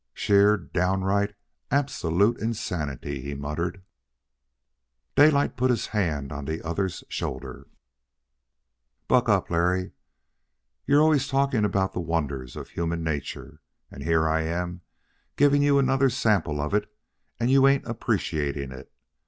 "Sheer, downright, absolute insanity," he muttered. Daylight put his hand on the other's shoulder. "Buck up, Larry. You're always talking about the wonders of human nature, and here I am giving you another sample of it and you ain't appreciating it.